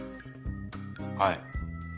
はい。